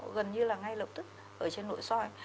gần như là ngay lập tức ở trên nội soi